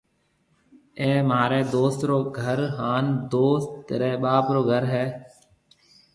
اَي مهاريَ دوست رو گھر هانَ دوست ريَ ٻاپ رو گھر هيَ۔